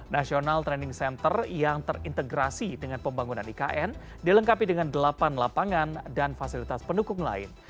national training center yang terintegrasi dengan pembangunan ikn dilengkapi dengan delapan lapangan dan fasilitas pendukung lain